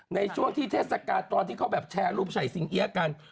ในช่วงที่เทศกาลตอนที่เขาแบบแชร์รูปใส่สิงเอี๊ยะกัน